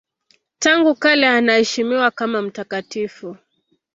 Tangu kale anaheshimiwa kama mtakatifu.